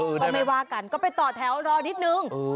ก็ไม่ว่ากันก็ไปต่อแถวรอนิดนึง